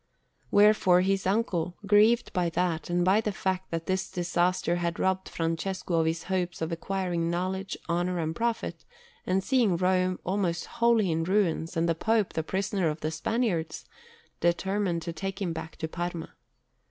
Wherefore his uncle, grieved by that and by the fact that this disaster had robbed Francesco of his hopes of acquiring knowledge, honour, and profit, and seeing Rome almost wholly in ruins and the Pope the prisoner of the Spaniards, determined to take him back to Parma.